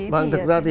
vâng thật ra thì